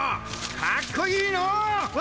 かっこいいのワシ。